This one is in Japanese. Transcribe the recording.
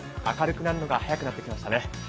明るくなるのが早くなってきましたね。